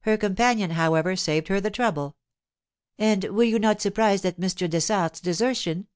Her companion, however, saved her the trouble. 'And were you not surprised at Mr. Dessart's desertion?